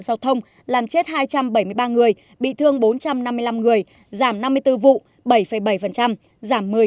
giao thông làm chết hai trăm bảy mươi ba người bị thương bốn trăm năm mươi năm người giảm năm mươi bốn vụ bảy bảy giảm một mươi năm